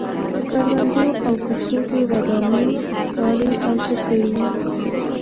په کروندو او کښتو کې ودانې څالې او چرګۍ وې.